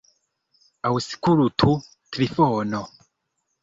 Aŭskultu, Trifono.